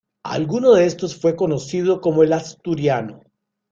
Alguno de estos fue conocido como "El Asturiano".